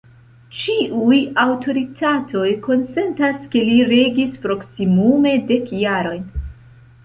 Ĉiuj aŭtoritatoj konsentas ke li regis proksimume dek jarojn.